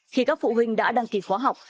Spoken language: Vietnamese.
khi các phụ huynh đã đăng ký khoa học